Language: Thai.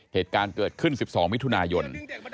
เหตุการณ์เกิดขึ้น๑๒มิถุนายน